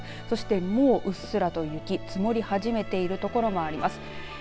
そして、もううっすらと雪積もり始めている所もあります。